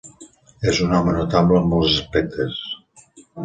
És un home notable en molts aspectes.